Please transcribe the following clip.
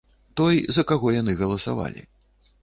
Той, за каго яны галасавалі.